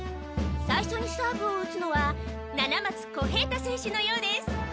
さいしょにサーブを打つのは七松小平太選手のようです。